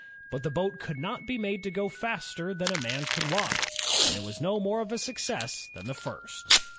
But the boat could not be made to go faster than a man could walk, and it was no more of a success than the first.